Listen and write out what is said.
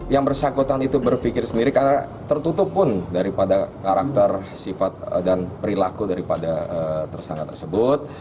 yang bersangkutan itu berpikir sendiri karena tertutup pun daripada karakter sifat dan perilaku daripada tersangka tersebut